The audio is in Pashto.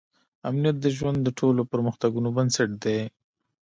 امنیت د ژوند د ټولو پرمختګونو بنسټ دی.